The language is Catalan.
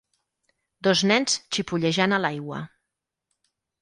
Dos nens xipollejant a l'aigua.